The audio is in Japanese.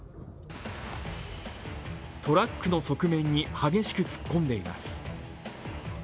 トラックの側面に激しく突っ込んでいます。